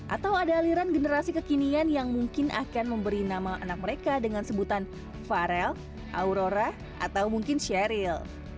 atau ada aliran generasi kekinian yang mungkin akan memberi nama anak mereka dengan sebutan farel aurora atau mungkin sheryl